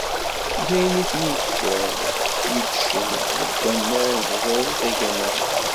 D ayen i ten-yeǧǧan qeddcen deg wannar n tẓuri tagamant.